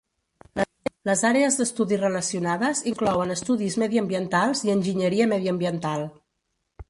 Les àrees d"estudi relacionades inclouen estudis mediambientals i enginyeria mediambiental.